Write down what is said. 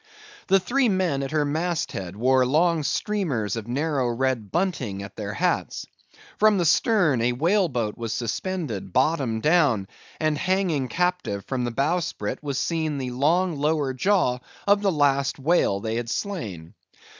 The three men at her mast head wore long streamers of narrow red bunting at their hats; from the stern, a whale boat was suspended, bottom down; and hanging captive from the bowsprit was seen the long lower jaw of the last whale they had slain.